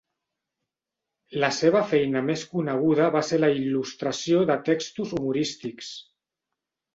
La seva feina més coneguda va ser la il·lustració de textos humorístics.